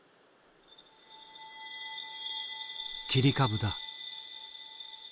切り株だ。